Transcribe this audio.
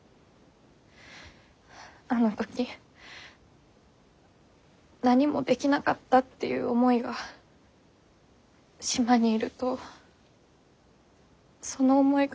あの時何もできなかったっていう思いが島にいるとその思いがら抜け出せなくて。